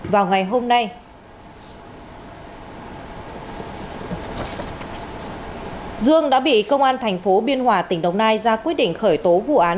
vào ngày hôm nay dương đã bị công an thành phố biên hòa tỉnh đồng nai ra quyết định khởi tố vụ án